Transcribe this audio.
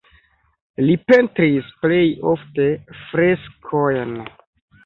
Li pentris plej ofte freskojn.